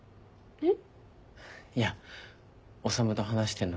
えっ？